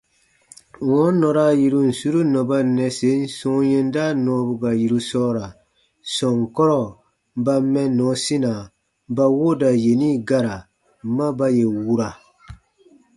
Wɔ̃ɔ nɔra yirun suru nɔba nnɛsen sɔ̃ɔ yɛnda nɔɔbu ka yiru sɔɔra sɔnkɔrɔ ba mɛnnɔ sina ba wooda yeni gara ma ba yè wura.